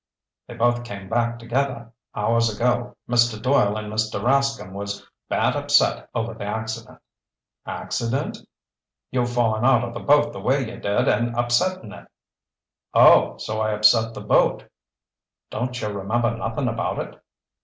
"They both came back together hours ago. Mr. Doyle and Mr. Rascomb was bad upset over the accident." "Accident?" "You fallin' out of the boat the way you did and upsetting it." "Oh, so I upset the boat?" "Don't you remember nothin' about it?"